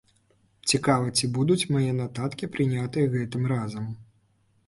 Цікава, ці будуць мае нататкі прынятыя гэтым разам?